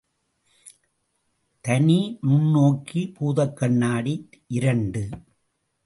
தனி நுண்ணோக்கி பூதக்கண்ணாடி இரண்டு.